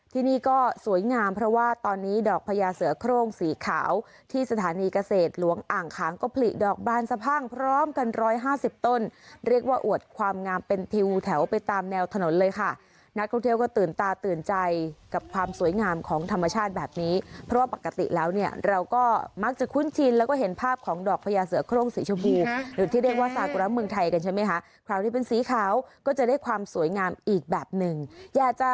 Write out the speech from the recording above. ที่สถานีเกษตรหลวงอ่างค้างก็ผลิดอกบานสะพร่างพร้อมกันร้อยห้าสิบต้นเรียกว่าอวดความงามเป็นทิวแถวไปตามแนวถนนเลยค่ะนักท่องเที่ยวก็ตื่นตาตื่นใจกับความสวยงามของธรรมชาติแบบนี้เพราะว่าปกติแล้วเนี่ยเราก็มักจะคุ้นชินแล้วก็เห็นภาพของดอกพระยาเสือโครงสีชมูกหรือที่เรียกว่าสากุร